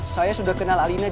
saya sudah kenal alina